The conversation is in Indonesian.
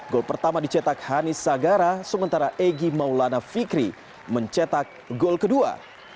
gol pertama dicetak hanis sagara sementara egy maulana fikri mencetak gol kedua